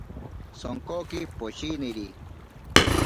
Sonkoki poshiniri.